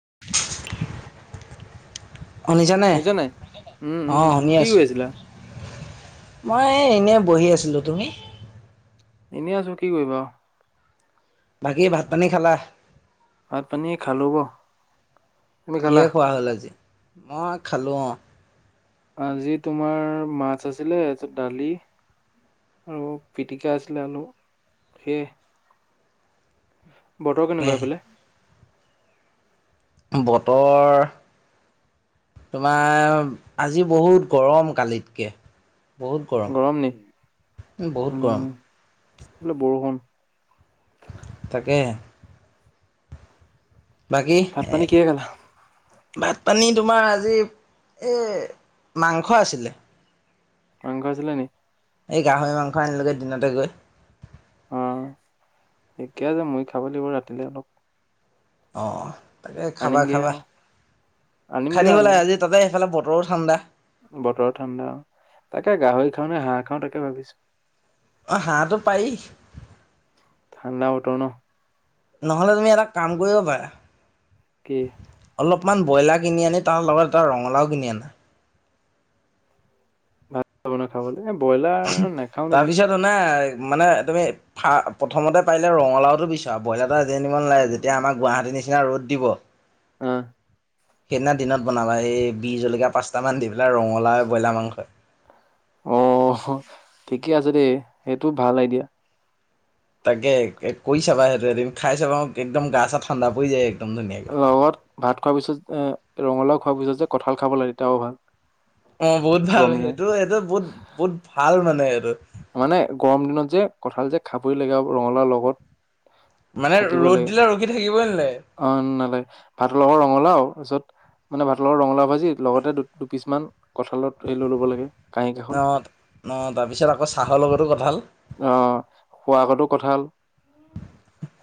[inaudible] অ 'শুনিছানে? শুনিছা নাই? উম, উম, অ', শুনি কি আছো কৰি আছিলা? মই এই এনে বহি আছিলো তুমি? এনেই আছো কি কৰিবা আৰু বাকি ভাত -পানী খালা? ভাত -পানী খালো তুমি খালা? কিহে খোৱা হ'ল আজি? মই খালোঁ অহ আজি তোমাৰ মাছ আছিলে তাৰ পাছত দালি, আৰু পিটিকা আছিলে আলু সেয়ে। বতৰ তাকে কেনেকুৱা সেইফালে? বতৰ তোমাৰ আজি বহুত গৰম কালিতকে। বহুত গৰম- বহুত গৰম। উম, এইফালে বৰষুণ। তাকে। বাকী ভাত এ? পানী কিহে খালা? ভাত- পানী তোমাৰ আজি এই মাংস আছিলে। মাংস আছিলে নি? এই গাহৰি -মাংস আনিলোগে দিনতে গৈ। অহ, থিকে আছে মই খাব লাগিব ৰাতিলে অলপ। অহ, তাকে খাবা আনিমগে -খাবা আৰু খাই আনিমগে আৰু থাকিব আনিব লাগে। আজি তাতে সেইফালে ব তৰ ঠাণ্ডা। বতৰ ঠাণ্ডা তাকে গাহৰি খাও, নে হাঁহ খাও তাকে ভাবিছো। অহ, হাঁহটো পাৰি। [unintelligible] নহ'লে তুমি এটা কাম কৰিব পাৰা কি? অলপমান ব্ৰইলাৰ কিনি আনি তাৰ লগত এটা ৰঙালাও কিনি আনা। ভাত বনাই খাবলৈ এ ব্ৰইলাৰ [unintelligible] নাখাও নেকি? তাৰপিছত অনা মানে তুমি ফা প্ৰথমতে পাৰিলে ৰঙালাওটো বিচাৰা ব্ৰইলাৰটা আজি আনিব নালাগে যেতিয়া আমাৰ গুৱাহাটী নিচিনা ৰ'দ দিব আহ সেইদিনা দিনত বনাবা এই বি জলকীয়া পাঁচটামান দি পেলাই ৰঙালা ব্ৰইলাৰ মাংসই। অ ঠিকেই আছে দেই সেইটো ভাল আইডিয়া। তাকে কৈ চাবা সেইটো এদিন খাই চাবা একদম গা চা ঠাণ্ডা পৰি যায়। একদম ধুনীয়াকে। লগত ভাত খোৱাৰ পিছত এ ৰঙালাও খোৱাৰ পিছত যে কঁঠাল খাব লাগে তেতিয়া আও ভাল। [unintelligible] অ বহুত ভাল গৰম দিনত সেইটো এইটো বহুত বহুত ভাল মানে এইটো মানে গৰম দিনত যে কঁঠাল যে খাবৰি লগা ৰঙালাও লগত। [unintelligible] মানে থাকিব ৰ'দ লাগে দিলে ৰখি থাকিবই নালাগে। অ নালাগে ভাতৰ লগত ৰঙালাও। তাৰপিছত মানে ভাত লগৰ ৰঙালাও ভাজি লগতে দুপিচ মান কঁঠালৰ সেই লৈ ল'ব লাগে। কাঁহী কাষত অঁ অ তাৰপিছত আকৌ চাহৰ লগতো কঁঠাল। আহ শুবা আগতো কঁঠাল।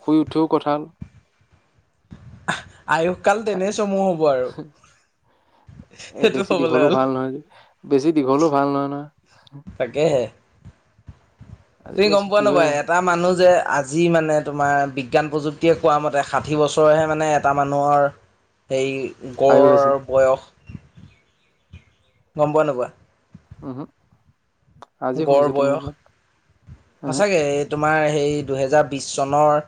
শুই উঠিও কঁঠাল। আয়ুসকাল তেনে চমু হব আৰু। এ সেইটো বেছি হ'বলৈ দীঘলেও ভাল হ'লে নহয় যে বেছি দীঘলোও ভাল নহয় নহয়। [unintelligible] তাকে হে। তুমি আজিকালি গম পোৱা ছুটি নে নোপোৱা হয় এটা মানুহ যে আজি মানে তোমাৰ বিজ্ঞান প্ৰযুক্তিয়ে কোৱা মতে ষাঠি বছৰহে মানে এটা মানুহৰ সেই আয়ুস গড়ৰ আছে বয়স। গম পোৱা নোপোৱা। উহু আজি গড় শুনিছো তুমি বয়স কোৱা উম সঁচাকে তোমাৰ হেই দুহেজাৰ বিছ চনৰ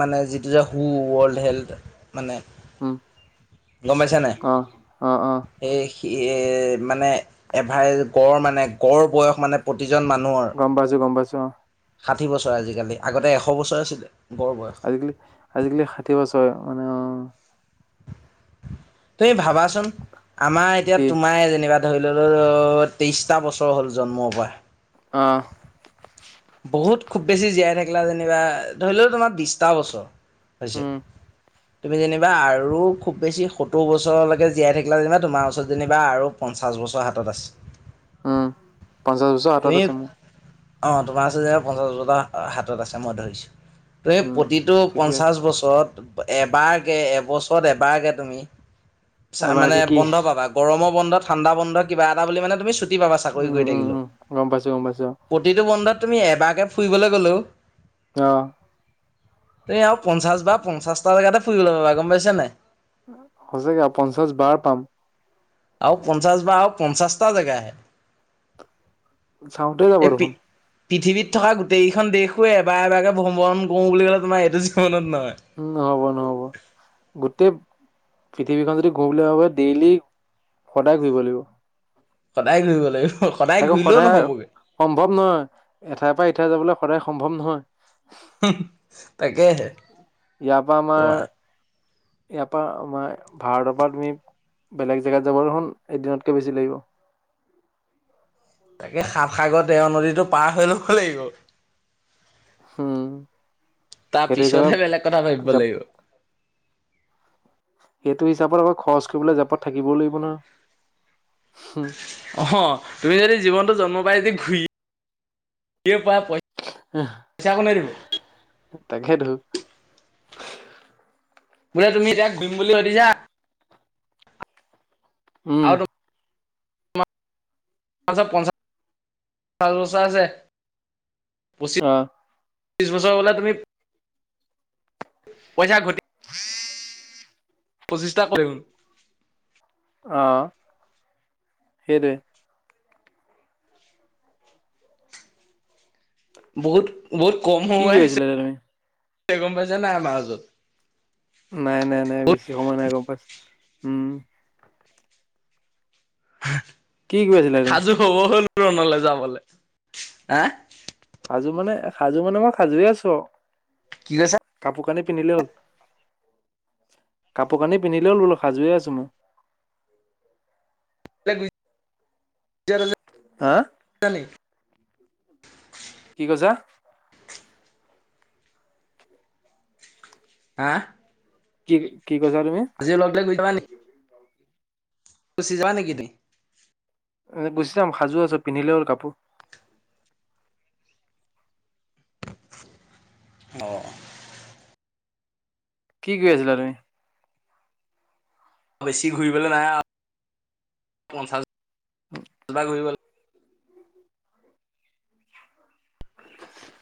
মানে যিটো যে হু ৱৰ্ল্ড হেল্থ। মানে উম গম পাইছানে অ অ অ সেই মানে এভাই গড় মানে গড় বয়স মানে প্ৰতি গম পাইছো গম পাইছো অ। ষাঠি বছৰ আজিকালি আগতে এশ বছৰ আছিলে। গড় বয়স আজিকালি আজিকালি ষাঠি বছৰ মানে অ। তুমি ভাবাচোন আমাৰ এতিয়া কি তোমাৰে যেনিবা ধৰি লল তেইশটা বছৰ হ'ল জন্মৰ পৰা। অঁ বহুত খুব বেছি জীয়াই থাকিলা যেনিবা ধৰি লও তোমাৰ বিছটা বছৰ। হৈছে। উম তুমি যেনিবা আৰু খুব বেছি সত্তৰ বছৰলৈকে জীয়াই থাকিলা যেনিবা তোমাৰ ওচৰত যেনিবা আৰু পঞ্চাছ বছৰ হাতত আছে উম পঞ্চাছ বছৰ হাতত আছে উম [unintelligible] অঁ তোমাৰ ওচৰত যে পঞ্চাছবছৰটা হাতত আছে মই ধৰিছোঁ ত এই উম প্ৰতিটো ঠিকে আছে পঞ্চাশ বছৰত এবাৰ গে এবছৰত এবাৰ কে তুমি মানে এবাৰকে কি বন্ধ পাবা গৰমৰ বন্ধ, ঠাণ্ডা বন্ধ কিবাএটা এটা বুলি মানে তুমি ছুটি পাবা চাকৰি উম কৰি উম থাকিলোঁ উম গম পাইছো গম পাইছো তুমি এবাকে ফুৰিবলৈ গ'লো অ তুমি আৰু পঞ্চাশ বা পঞ্চাশটা জেগাতে ফুৰিবলে পাবা গম পাইছা নাই সচাকে পঞ্চাশ বাৰ পাম আৰু পঞ্চাশ বা আৰু পঞ্চাছটা জেগা হে চাওঁতে যাব দেখোন পৃথিৱীত থকা গোটেইকেইখন দেশো এবাৰ এবাৰে ভ্ৰমণ কৰো বুলি ক'লে তোমাৰ এইটো জীৱনত নহয়। উম নহব নহব গোটেই পৃথিৱীখন যদি ঘূৰোবুলি ভাবে ডেইলি সদায় ঘূৰিব লাগিব সদায় ঘূৰিব লাগিব সদায় তাকো ঘূৰিলেও সদায় নহ'বগৈ সম্ভৱ নহয় এঠাইৰ পৰা এঠাই যাবলৈ সদায় সম্ভৱ নহয় তাকেহে তোমাৰ ইয়াৰপা আমাৰ ভাৰতৰ পৰা তুমি বেলেগ জেগাত যাব দেখোন এদিনতকে বেছি লাগিব তাকে সাতসাগৰ তেৰ নদীতটো পাৰ হৈ লব লাগিব উম তাৰ সেইটো হিচাপে পিছতহে বেলেগ কথা ভাবিব জাপ লাগিব সেইটো হিচাপত আকৌ খৰচ কৰিবলৈ জেপত থাকিবও লাগিব নহয় অ তুমি যদি জীৱনটো জন্ম পাই যদি ঘূৰিয়ে ফুৰা তাকেতো বোলে তুমি যাক দিম বুলি সুধিছা উম আৰু তোমাৰ পঞ্চাছ বছৰ আছে অ বিশ বছৰ হলে তুমি পইচা ঘ পঁচিছটা কৰিব অহ সেইটোৱে বহুত বহুত কম কি সময় কৰি আছে আছিলা এতিয়া তুমি গম পাইছা নাই আমা ওচৰত নাই নাই নাই বহুত বেছি সময় নাই গম পাইছো উম কি কৰি আছিলা তুমি সাজু হব হল ৰণলে যাবলে হা সাজু মানে সাজু মানে মই সাজুৱে আছো আৱ কি কৈছা কাপোৰ কানি পিন্ধিলে হ'ল কাপোৰ কানি পিন্ধিলে হ'ল বোলো সাজুৱে আছো মই হা [unintelligible] কি কৈছা হা কি কৈছা তুমি আজিও অলপ যাবা নেকি গুচিযোৱা নেকি তুমি এ গুচি যাম সাজু আছো পিন্ধিলে হ'ল কাপোৰ অঁ কি কৰি আছিলা তুমি? বেছি ঘূৰিবলে নাই আৰু পঞ্চাছবাৰ ঘূৰিবলে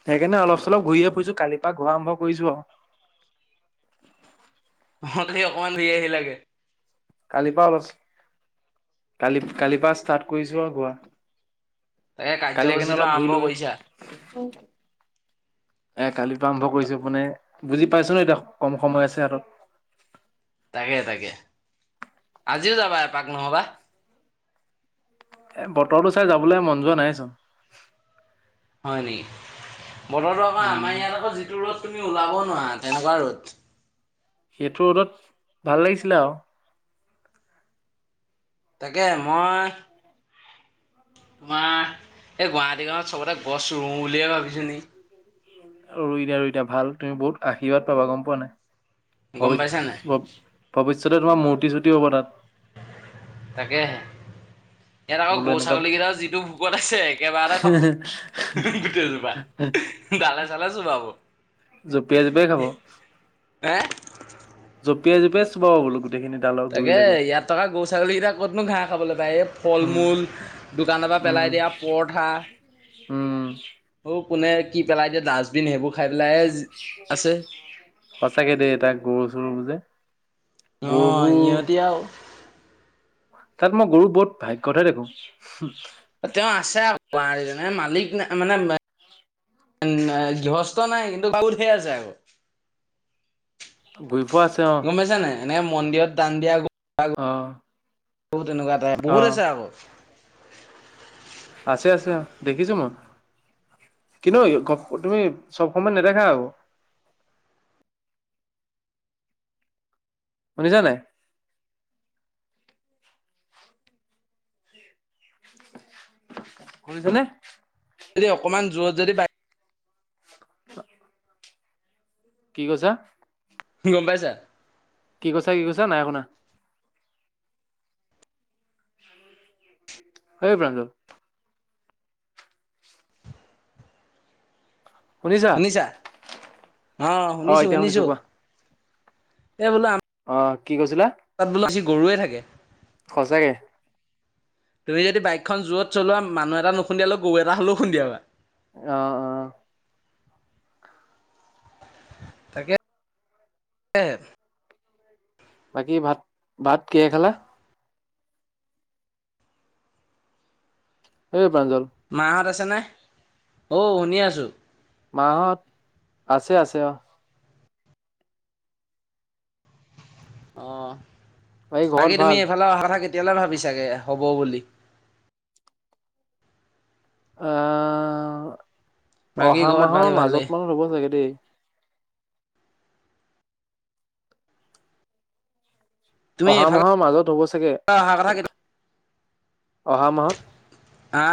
সেইকাৰণে অলপ চলপ ঘূৰিয়ে ফুৰিছো কালিৰ পৰা ঘূৰা আৰম্ভ কৰিছো আৰু অহঁ সেই অকমান ধুৰি আহিল লাগে কালিৰ পৰা অলপ কালি কালিৰ পৰা ষ্টাৰ্ট কৰিছো আৰু ঘোৱা তাকে কালি সেই কাৰণে কাৰ্যসূচীটো অলপ আৰম্ভ ঘূৰিলোগে কৰিছা এ কালিৰ পৰা আৰম্ভ কৰিছো মানে বুজি পাইছো ন এতিয়া কম সময় আছে হাতত তাকে তাকে আজিও যাবা এপাক নহবা এ বততো চাই যাবলৈ মন যোৱা নাইচোন হয় নেকি বতৰটো আকৌ উম আমাৰ ইয়াত আকৌ যিটো ৰ'দ তুমি ওলাব নোৱাৰা তেনেকুৱা ৰ'দ সেইটো ৰদত ভাল লাগিছিলে আৰু তাকে মই তোমাৰ এই গুৱাহাটী গাঁৱত সবতে গছ ৰুওঁ বুলিয়ে ভাবিছো নি ৰুই দিয়া ৰুই দিয়া ভাল তুমি বহুত আশীৰ্বাদ পাবা গম পোৱা নাই গম পাইছা নাই ভৱি ভৱিষ্যতে তোমাৰ মূৰ্তি চূৰ্তি হ'ব তাত তাকে ইয়াত আকৌ বোলো গৰু এনেকুৱা ছাগলীকেইটা যিটো ভোকত আছে একেবাৰতে খাব গোটেইজোপা ডালে চালে ছোবাব জঁপিয়াই জঁপিয়াই খাব হে জঁপিয়াই জঁপিয়াই চোবাব বোলো। গোটেইখিনি ডালৰ তাকে গুৰিলৈকে ইয়াত থকা গৰু ছাগলী কেইটা ক'তনো ঘাঁহ খাবলৈ পায় এই ফল উম মূল দোকানৰ পৰা পেলাই। উম দিয়া পৰঠা উম অ কোনে কি পেলাই দিয়ে ডাষ্টবিন সেইবোৰ খাই পেলাই আছে সঁচাকে দেই তাক গৰু চৰু বোৰ যে অ গৰুবোৰ সিহঁতি আৰু তাত মই গৰু বহুত ভাগ্যতহে দেখো। তেওঁ আছে আৰু গুৱ মালিক ন মানে গৃহস্থ নাই কিন্তু গোৱাল ধেই আছে আকৌ ঘুৰি ফুৰা আছে অ এনে মন্দিৰত দান দিয়া গ'ল অ তেনেকুৱা এটাই অ বহুত আছে আকৌ। আছে আছে অ দেখিছো মই কিন্তু তুমি চব সময় নেদেখা আক শুনিছা নাই কৰিছেনে যদি অকণমান জোৰত যদি বাই [inaudible] কি কৈছা গম পাইছা কি কৈছা কি কৈছা নাই শুনা অই পাঞ্জল শুনিছা অ শুনিছো শুনিছো এই বোলো আমাৰ অ কি কৈছিলা। তাত বোলো বেছি গৰুৱে থাকে। সঁচাকে। তুমি যদি বাইকখন যোৱত চলোৱা মানুহ এটা নুখুন্দিয়ালে গৰু এটা হ'লেও খুন্দিয়াবা। অ অ তাকে বাকী ভাত ভাত কিহে খালা। অই পাঞ্জল ছানে অ শুনি আছো। মাহত আছে আছে অ। অ ঘৰত বাকী তুমি ভাল এইফালে অহা কথা কেতি। তিয়ালৈ ভাবি চাগে হ'ব বুলি। আ বাকী অহা ঘৰত ভালে মাহৰ ভালেই মাজত মানত হ'ব চাগে দেই। তুমি অহা এইফালে মাহৰ মাজত হ'ব চাগে অহা কথা কেতিয়া অহা মাহত। হা।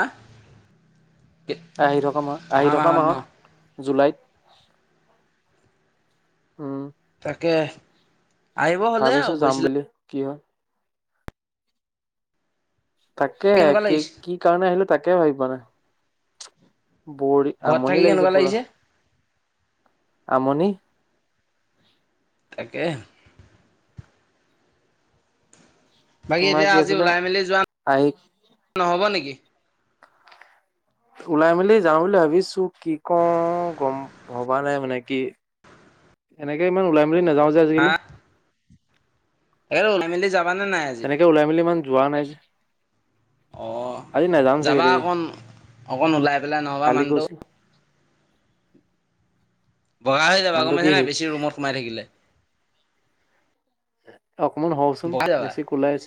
আহি থকা মাহ আহি অহা থকা ন মাহত জুলাইত। উম। কে আহিব হ'লে ভাবিছো আৰু যাম গৈছিলা। বুলি কি হয়। তাকে কেনেকুৱা কি লাগিছে কি কাৰণে আহিলো তাকে ভাবি পোৱা নাই। বৰি ঘৰত আমনি থাকি লাগিছে কেনেকুৱা পুৰা। আমনি। তাকে। বাকী তোমাৰ এতিয়া কি আজি আছিলে ওলাই মেলি যোৱা আহি নহ'ব নেকি। ওলাই মেলি যাওঁ বুলি ভাবিছো কি কওঁ গম ভবা নাই মানে কি। এনেকে ইমান ওলাই মেলি নাযাও যে আজিকালি। এ উলাই মেলি যা। তেনেকে ওলাই মেলি ইমান যোৱা নাই। অ আজি নাযাম চাগে যাবা দেই অকণ অকণ ওলাই পেলাই নহবা কালি মানুহটো। গৈছো বগা হৈ যাবা গম মানুহটো পাইছে কি সি নাই বেছি ৰুমত সোমাই থাকিলে। অকমান হওচোন বগা যাবা বেছি কোওলাই আছ।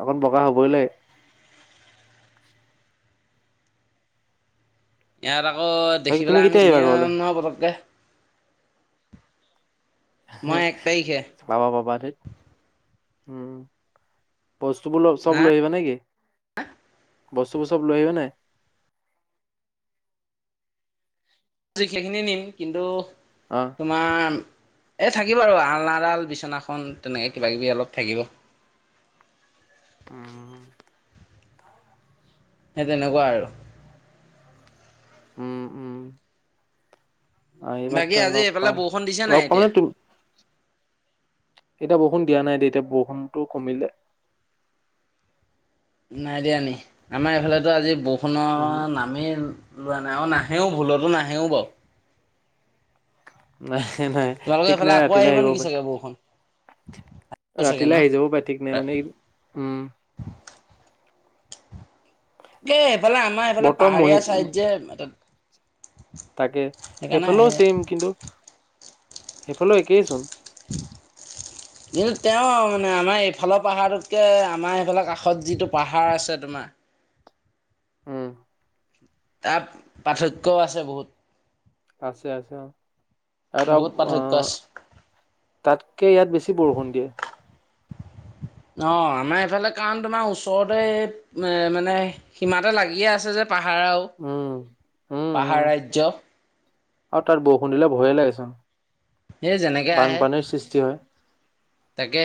অকণ বগা হ'বইলা। ইয়াত আকৌ বাকী দেখি তুমি পেলাই আমি কেতিয়া চিনি আহিবা ঘৰলে নাপাম নহয় পতককে। মই এক তাৰিখে [inaudible] পাবা পাবা থেত উম বস্তুবোৰ ল চব হা লৈ আহিবা নেকি। বস্তুবোৰ চব লৈ আহিব নাই। জি সেইখিনি নিম কিন্তু অ তোমাৰ। এই থাকিব আৰু আলনাডাল বিচনাখন তেনেকে কিবা কিবি অলপ থাকিব। উম। সে তেনেকুৱা আৰু। উম উম। আহিবা বাকী তেতিয়া আজি লগ এইফালে পাম বৰষুণ দিছে নাই লগ পাম এতিয়া নে তোৰ। এতিয়া বৰষুণ দিয়া নাই তেতিয়া বৰষুণটো কমিলে। নাই দিয়া নি আমাৰ এইফালেতো আজি বৰষুণৰ উম নামেই লোৱা নাই অ না। হেও ভুলতো নাহেওঁ বাও। নাই নাই তোমালোকৰ ঠিক এইফালে নাই আকৌ ৰাতিলৈ আহিব নেকি পাৰে। চাগে বৰষুণ চাগে ন ৰাতিলৈ আহি যাবও পাৰে ঠিক নাই মানে উম। এ এফালে আমাৰ এইফালে বতৰ মহি পাহাৰীয়া ছাইড যে এ। তাকে সেইফালেও চেইম কিন্তু সেইফালেও একেই চোন। [unintelligible] কিন্তু তেওঁ মানে আমাৰ এইফালৰ পাহাৰটোতকে আমাৰ সফালৰ কাষত যিটো পাহাৰ আছে তোমা। বাহ। উম। তাৰ পাৰ্থক্যও আছে বহুত। আছে আছে অ এদ বহুত আ। পাৰ্থক্য আছে তাতকে ইয়াত বেছি বৰষুণ দিয়ে। অঁ আমাৰ এইফালে কাৰণ তোমাৰ ওচৰতে মানে সীমাতে লাগিয়ে আছে যে। পাহাৰাও উম, উম, পাহাৰ উম ৰাজ্য। আৰু তাত বৰষুণ দিলে ভয়ে লাগেচোন সেই বানপানীৰ সৃষ্টি হয়। তাকে।